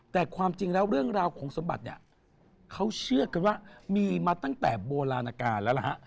แต่ความจริงแล้วเรื่องราวของสมบัติเนี่ยเขาเชื่อกันว่ามีมาตั้งแต่โบราณการแล้วล่ะฮะ